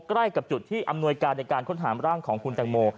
ใกล้กับจุดที่อำนวยการในการค้นหาร่างของคุณแตงโม